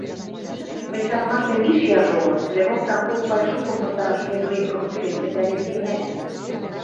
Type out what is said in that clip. Мӹнь шанымаштем, пиш яжо ылыт: лӹмоксам кок пай шукым постараш недоимкым тӱлен пӹтарет гӹнят